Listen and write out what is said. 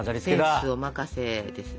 センスお任せですね。